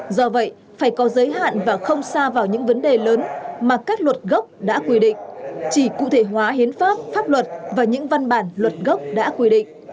do vậy phải có giới hạn và không xa vào những vấn đề lớn mà các luật gốc đã quy định chỉ cụ thể hóa hiến pháp pháp luật và những văn bản luật gốc đã quy định